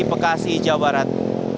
pekasi jawa barat